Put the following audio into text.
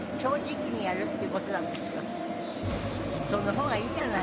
その方がいいじゃない。